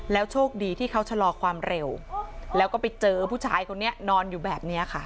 โชคดีที่เขาชะลอความเร็วแล้วก็ไปเจอผู้ชายคนนี้นอนอยู่แบบนี้ค่ะ